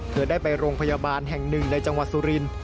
เธอได้ไปโรงพยาบาลแห่งหนึ่งในจังหวัดสุรินทร์